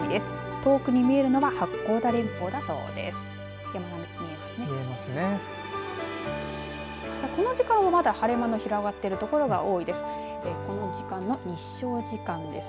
遠くに見えるのは八甲田連峰だそうです。